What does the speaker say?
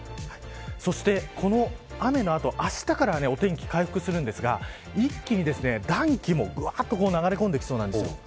そして雨の後、あしたからはお天気が回復するんですが一気に暖気も流れ込んできそうなんです。